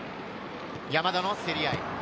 山田の競り合い。